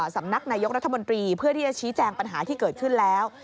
สำนักนายกรัฐมนตรีเพื่อที่จะชี้แจงปัญหาที่เกิดขึ้นแล้ว